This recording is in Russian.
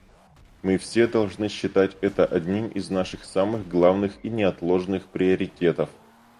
Мы все должны считать это одним из наших самых главных и неотложных приоритетов.